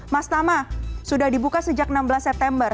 mas tama sudah dibuka sejak enam belas september